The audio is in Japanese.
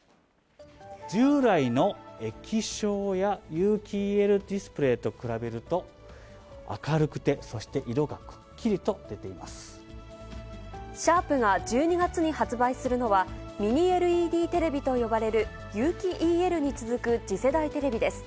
従来の液晶や有機ＥＬディスプレーと比べると、明るくてそしシャープが１２月に発売するのは、ミニＬＥＤテレビと呼ばれる、有機ＥＬに続く次世代テレビです。